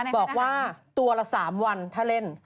บอกว่าตัวละ๓วันถ้าเล่น